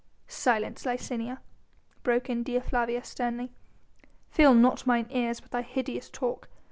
"Silence, Licinia!" broke in Dea Flavia sternly, "fill not mine ears with thy hideous talk.